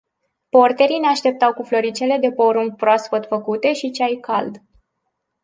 Porterii ne așteptau cu floricele de porumb proaspăt făcute și ceai cald.